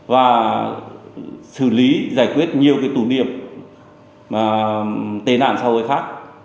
và xử lý giải quyết nhiều tù niệm tên ản xã hội khác